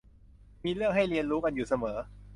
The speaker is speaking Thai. มีเรื่องให้เรียนรู้กันอยู่เสมอ